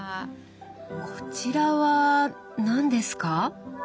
こちらは何ですか？